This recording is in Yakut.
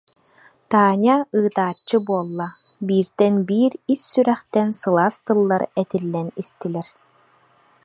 Таня ыытааччы буолла, бииртэн биир ис сүрэхтэн сылаас тыллар этиллэн истилэр